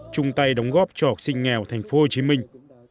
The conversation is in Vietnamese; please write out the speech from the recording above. chung tay đóng góp cho học sinh nghèo thành phố hồ chí minh